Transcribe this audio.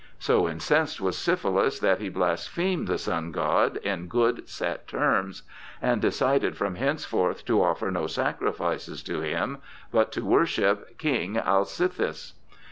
So incensed was Syphilus that he blasphemed the Sun God in good set terms and de cided from henceforth to offer no sacrifices to him, but to worship King Alcithous.